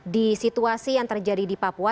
di situasi yang terjadi di papua